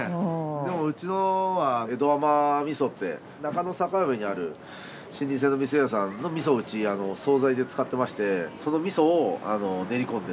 でもうちのは江戸甘味噌って中野坂上にある老舗の味噌屋さんの味噌をうち総菜で使ってまして。